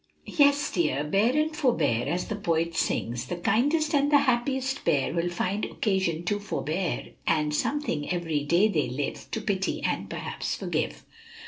"Yes, dear; bear and forbear, as the poet sings "'The kindest and the happiest pair Will find occasion to forbear, And something every day they live To pity and perhaps forgive.'"